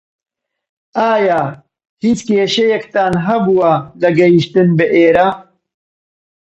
ئایا هیچ کێشەیەکتان هەبووە لە گەیشتن بە ئێرە؟